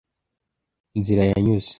nzira yanyuze”